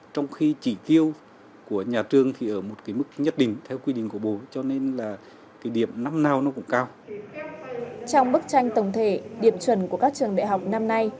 trong bức tranh tổng thể điểm chuẩn của các trường đại học năm nay